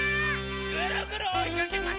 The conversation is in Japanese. ぐるぐるおいかけます！